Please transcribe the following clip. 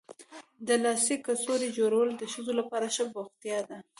د لاسي کڅوړو جوړول د ښځو لپاره ښه بوختیا ده.